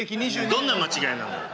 どんな間違いなんだよ。